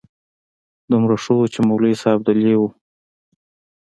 دومره ښه و چې مولوي صاحب دلې و.